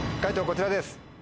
こちらです。